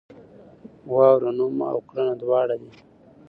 واوره نوم او کړنه دواړه دي.